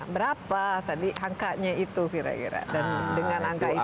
berapa tadi angkanya itu kira kira